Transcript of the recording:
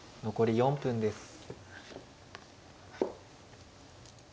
残り４分です。